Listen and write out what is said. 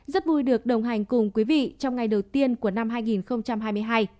rất vui được đồng hành cùng quý vị trong ngày đầu tiên của năm hai nghìn hai mươi hai